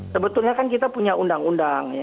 sebetulnya kan kita punya undang undang